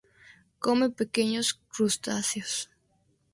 Come pequeños crustáceos.